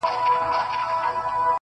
ستا په دې معاش نو کمه خوا سمېږي,